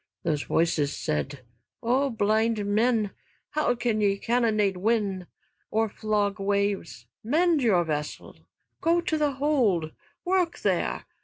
Those voices said: "O blind men! How can ye cannonade wind, or flog waves? Mend your vessel! Go to the hold. Work there.